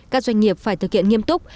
các doanh nghiệp phải thực hiện nghiêm túc